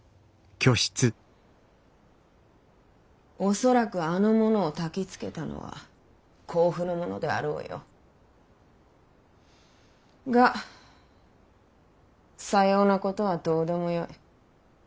恐らくあの者をたきつけたのは甲府の者であろうよ。がさようなことはどうでもよい。